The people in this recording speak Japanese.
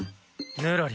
ぬらり。